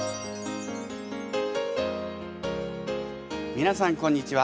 皆さんこんにちは。